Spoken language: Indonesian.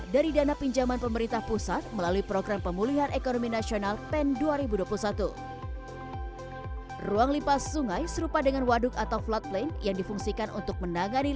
dari dana pinjaman pemerintah pusat melalui program pemulihan dan penyelenggaraan